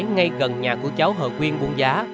ngay gần nhà của cháu hờ quyên buôn giá